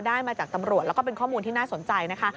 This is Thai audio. ได้มาจากตำรวจแล้วก็เป็นข้อมูลที่น่าสนใจนะคะ